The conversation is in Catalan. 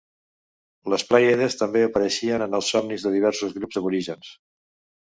Les Plèiades també apareixen en els Somnis de diversos grups aborígens.